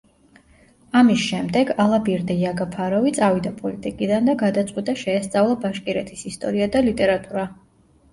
ამის შემდეგ, ალაბირდე იაგაფაროვი წავიდა პოლიტიკიდან და გადაწყვიტა შეესწავლა ბაშკირეთის ისტორია და ლიტერატურა.